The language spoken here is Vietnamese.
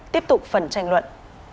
tiếp tục phần tranh luận